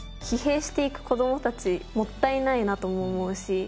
疲弊していく子どもたちもったいないなとも思うし。